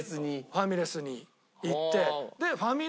ファミレスに行って。